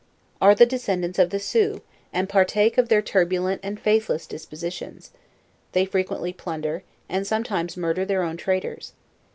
Are the descendants of the Sioux, and partake of their ' turbulent and faithless disj>osition: they frequently plunder, and sometimes murder their own traders.